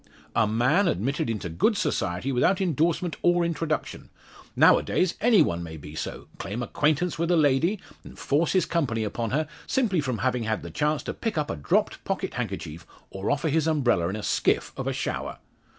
"A man admitted into good society without endorsement or introduction. Now a days, any one may be so; claim acquaintance with a lady, and force his company upon her, simply from having had the chance to pick up a dropped pocket handkerchief, or offer his umbrella in a skiff of a shower!"